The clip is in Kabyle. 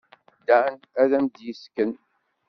Dan ad am-d-yessken.